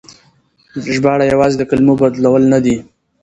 ژباړه يوازې د کلمو بدلول نه دي.